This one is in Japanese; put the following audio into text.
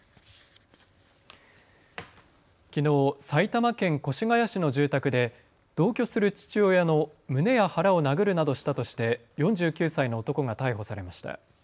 きのう、埼玉県越谷市の住宅で同居する父親の胸や腹を殴るなどしたとして４９歳の男が逮捕されました。